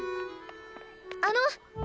あの！